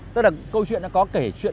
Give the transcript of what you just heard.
tức là câu chuyện nó có kể chuyện